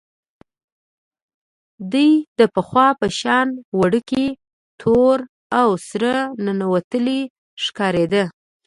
دی د پخوا په شان وړوکی، تور او سره ننوتلی ښکارېده.